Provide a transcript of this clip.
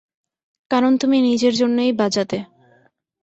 কারণ তুমি নিজের জন্যই বাজাতে।